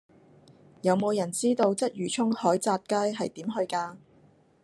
有無人知道鰂魚涌海澤街係點去㗎